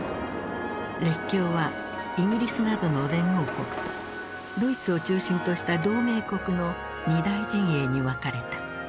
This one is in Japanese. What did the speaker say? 列強はイギリスなどの連合国とドイツを中心とした同盟国の２大陣営に分かれた。